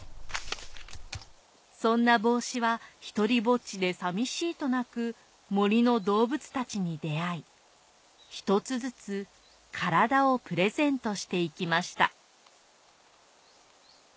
そんなぼうしはひとりぼっちで寂しいと泣く森の動物たちに出会い１つずつ体をプレゼントしていきました